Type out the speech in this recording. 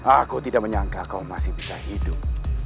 aku tidak menyangka kau masih bisa hidup